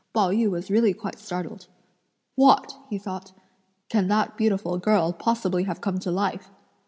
Pao yü was really quite startled. "What!" (he thought), "can that beautiful girl, possibly, have come to life!"